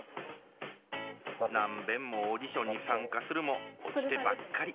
何べんもオーディションに参加するも落ちてばっかり。